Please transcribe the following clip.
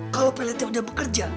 kalo peletnya udah bekerja